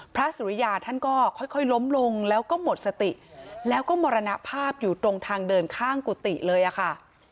สุริยาท่านก็ค่อยล้มลงแล้วก็หมดสติแล้วก็มรณภาพอยู่ตรงทางเดินข้างกุฏิเลยอะค่ะ